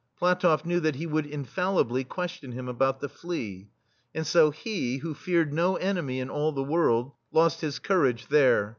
PlatofF knew that he would, infallibly, ques tion him about the flea. And so he, who feared no enemy in all the world, lost his courage there.